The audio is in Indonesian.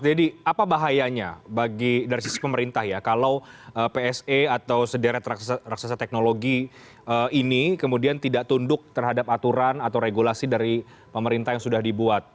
jadi apa bahayanya dari sisi pemerintah ya kalau psa atau sederet raksasa teknologi ini kemudian tidak tunduk terhadap aturan atau regulasi dari pemerintah yang sudah dibuat